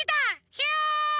ヒューン！